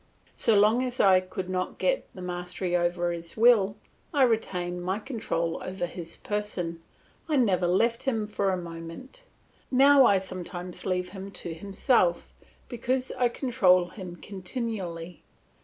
So long as I could not get the mastery over his will, I retained my control over his person; I never left him for a moment. Now I sometimes leave him to himself because I control him continually.